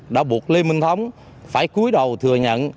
đã buộc lê minh thống phải cuối đầu thừa nhận